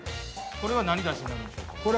これは何だしになるんでしょうか？